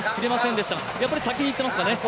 やっぱり先にいってますかね。